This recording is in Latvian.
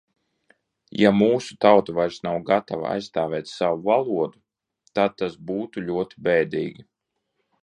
Ja mūsu tauta vairs nav gatava aizstāvēt savu valodu, tad tas būtu ļoti bēdīgi.